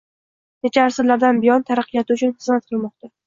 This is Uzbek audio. Necha asrlardan buyon taraqqiyoti uchun xizmat qilmoqda